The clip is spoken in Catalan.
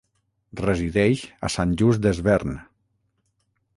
Resideix a Sant Just Desvern.